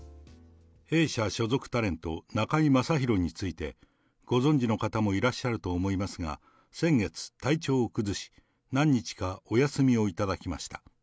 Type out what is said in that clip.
弊社所属タレント、中居正広について、ご存じの方もいらっしゃると思いますが、先月体調を崩し、何日かお休みを頂きました。